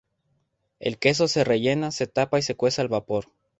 El queso se rellena, se tapa y se cuece al vapor.